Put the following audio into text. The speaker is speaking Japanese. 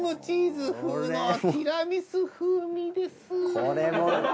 これも。